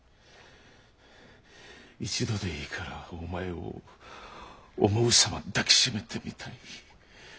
一度でいいからお前を思うさま抱き締めてみたい。